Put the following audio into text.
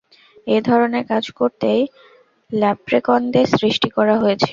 এ ধরণের কাজ করতেই ল্যাপ্রেকনদের সৃষ্টি করা হয়েছে।